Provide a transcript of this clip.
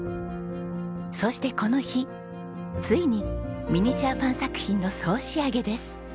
そしてこの日ついにミニチュアパン作品の総仕上げです。